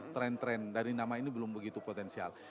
tren tren dari nama ini belum begitu potensial